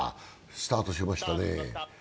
スタートしましたね。